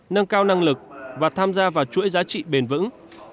nâng cao năng lực và tham gia vào chuỗi giá trị bền vững